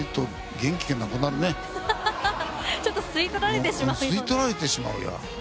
ちょっと吸い取られてしまうような。